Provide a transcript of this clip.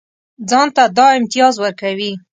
ځان ته دا امتیاز ورکوي.